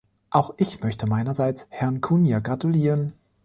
Auch ich möchte meinerseits Herrn Cunha gratulieren.